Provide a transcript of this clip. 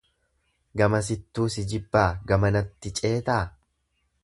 Gamasittuu si jibbaa gamanatti ceetaa.